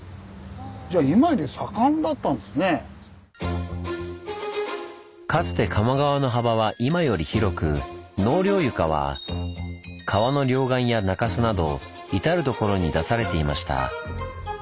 じゃあかつて鴨川の幅は今より広く納涼床は川の両岸や中州など至る所に出されていました。